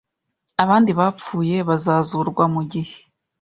Abandi bapfuye bazazurwa mu gihe